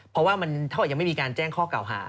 เพราะว่ามันเท่ากับยังไม่มีการแจ้งข้อเก่าหา